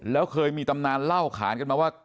แล้วเคยมีตำนานเล่าขานกันมาว่า